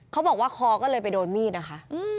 เขาบอกว่าคอก็เลยไปโดนมีดนะคะ